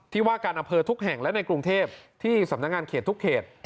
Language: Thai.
ว่าการอำเภอทุกแห่งและในกรุงเทพที่สำนักงานเขตทุกเขต